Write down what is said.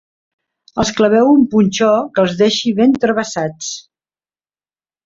Els claveu un punxó que els deixi ben travessats.